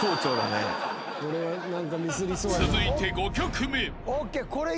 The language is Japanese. ［続いて５曲目］